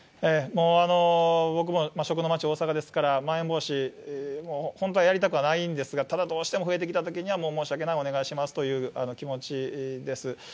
もう僕も食の街、大阪ですから、まん延防止、本当はやりたくはないんですが、ただどうしても、増えてきたときには申し訳ない、お願いしますという気持ちです。